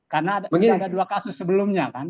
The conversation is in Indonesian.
karena ada dua kasus sebelumnya kan